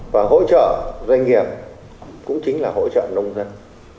và hỗ trợ doanh nghiệp cũng chính là hỗ trợ nông dân